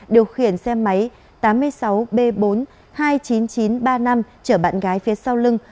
điều khiển xe máy tám mươi sáu b bốn hai mươi chín nghìn chín trăm ba mươi năm chở bạn gái phía sau lưng